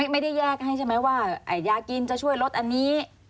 ไม่ได้แยกให้ใช่ไหมว่ายากินจะช่วยลดอันนี้